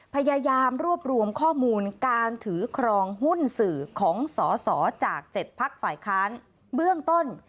พยายามรวบรวมข้อมูลการถือครองหุ้นสื่อของสอสอจาก๗พักฝ่ายค้านเบื้องต้น